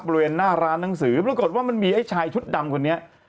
บริเวณหน้าร้านหนังสือปรากฏว่ามันมีไอ้ชายชุดดำคนนี้